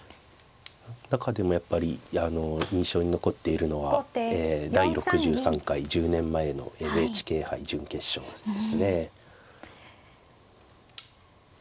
中でもやっぱり印象に残っているのは第６３回１０年前のＮＨＫ杯準決勝ですね。